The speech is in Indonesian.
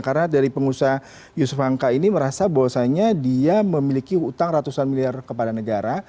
karena dari pengusaha yusuf hamka ini merasa bahwasanya dia memiliki hutang ratusan miliar kepada negara